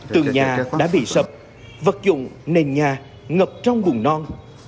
tường nhà đã bị sập vật dụng nền nhà ngập trong vùng non